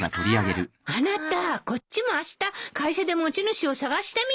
あなたこっちもあした会社で持ち主を探してみて。